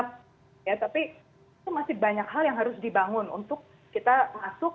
tapi itu masih banyak hal yang harus dibangun untuk kita masuk